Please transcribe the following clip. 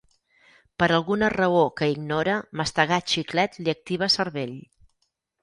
Per alguna raó que ignora mastegar xiclet li activa cervell.